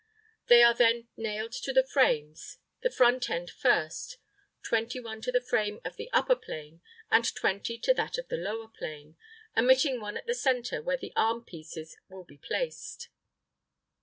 They are then nailed to the frames, the front end first: 21 to the frame of the upper plane, and 20 to that of the lower plane, omitting one at the centre, where the arm pieces will be placed.